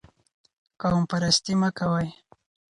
قوم پرستي مه کوئ.